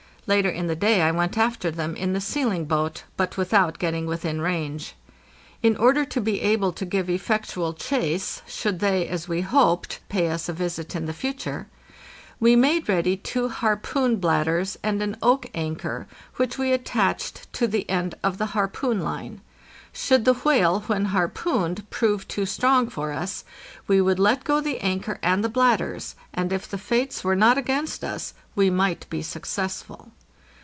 Later in the day I went after them in the sealing boat, but without getting within range. In order to be able to give effectual chase, should they, as we hoped, pay us a visit in the future, we made ready two harpoon bladders and an oak anchor, which we attached to the end of the harpoon line. Should the whale, when harpooned, prove too strong for us, we would let go the anchor and the bladders, and if the fates were not against us, we might be successful.